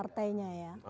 trend partainya ya